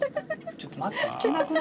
ちょっと待って。